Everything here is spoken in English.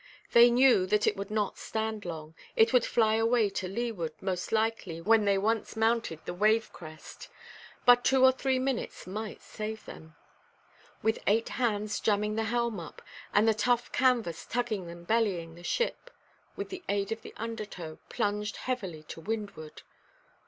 They knew that it could not stand long; it would fly away to leeward most likely when once they mounted the wave–crest; but two or three minutes might save them. With eight hands jamming the helm up, and the tough canvas tugging and bellying, the ship, with the aid of the undertow, plunged heavily to windward.